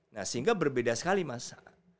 nah sehingga berbeda sekali masa